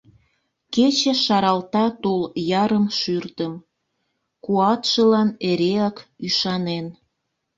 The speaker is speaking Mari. Кече шаралта тул ярым шӱртым, Куатшылан эреак ӱшанен.